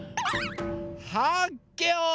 はっけよい。